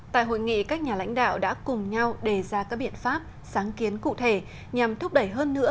tại hội nghị các nhà lãnh đạo đã cùng nhau đề ra các biện pháp sáng kiến cụ thể nhằm thúc đẩy hơn nữa